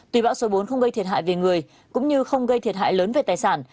tuy bão số bốn không gây thiệt hại về người cũng như không gây thiệt hại lớn về tài sản